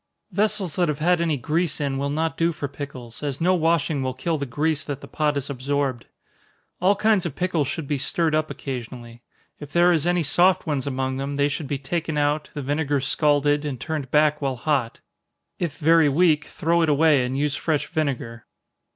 Vessels that have had any grease in will not do for pickles, as no washing will kill the grease that the pot has absorbed. All kinds of pickles should be stirred up occasionally. If there is any soft ones among them, they should be taken out, the vinegar scalded, and turned back while hot if very weak, throw it away, and use fresh vinegar.